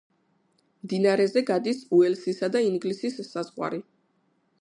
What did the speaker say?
მდინარეზე გადის უელსისა და ინგლისის საზღვარი.